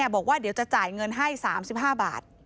บอกว่าเดี๋ยวจะจ่ายเงินให้๓๕บาท